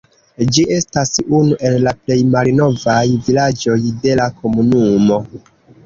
Ĝi estas unu el la plej malnovaj vilaĝoj de la komunumo.